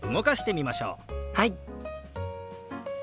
はい！